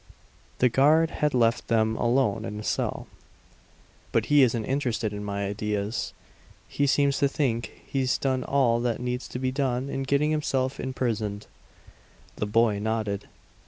The guard had left them alone in the cell. "But he isn't interested in my ideas. He seems to think he's done all that needs to be done in getting himself imprisoned." The boy nodded.